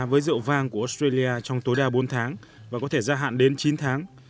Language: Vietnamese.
với rượu vang của australia trong tối đa bốn tháng và có thể gia hạn đến chín tháng